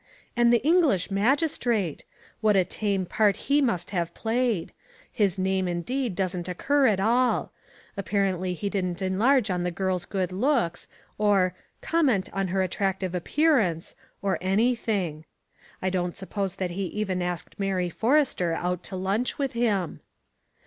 And the English magistrate! What a tame part he must have played: his name indeed doesn't occur at all: apparently he didn't enlarge on the girl's good looks, or "comment on her attractive appearance," or anything. I don't suppose that he even asked Mary Forrester out to lunch with him.